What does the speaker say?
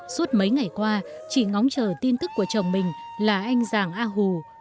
suốt mấy ngày qua chị ngóng chờ tin tức của chồng mình là anh giàng a hù